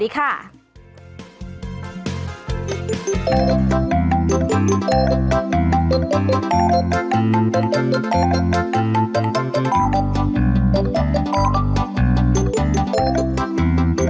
สวัสดีค่ะ